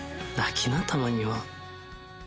泣きなたまには」